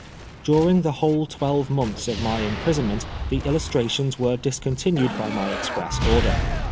During the Whole twelve months of my imprisonment the illustrations were discontinued by my express order.